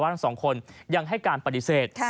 ทั้งสองคนยังให้การปฏิเสธ